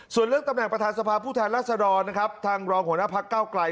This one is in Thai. ส่วนเรื่องตำแหน่งประธานสภาผู้แทนราชดรทางรองหัวหน้าภักร์เก้าไกร